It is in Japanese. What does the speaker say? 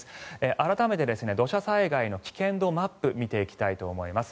改めて土砂災害の危険度マップを見ていきたいと思います。